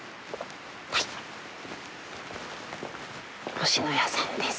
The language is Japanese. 星のやさんです。